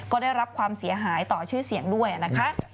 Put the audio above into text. ก็ได้รับความเสียหายต่อชื่อเสียงด้วยนะคะ